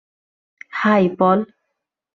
High, Paul.